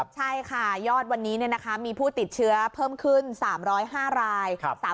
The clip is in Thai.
ใช่ค่ะยอดวันนี้มีผู้ติดเชื้อเพิ่มขึ้น๓๐๕ราย